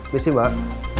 biasa sih mbak